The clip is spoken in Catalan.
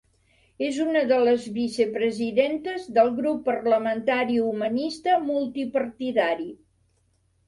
És una de les vicepresidentes del Grup Parlamentari Humanista Multipartidari.